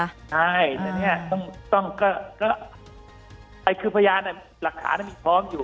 ใช่แต่เนี่ยต้องก็คือพยานหลักฐานมีพร้อมอยู่